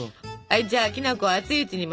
じゃあきな粉を熱いうちにまぶして下さい。